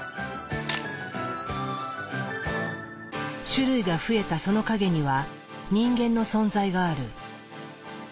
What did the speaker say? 種類が増えたその陰には人間の存在がある。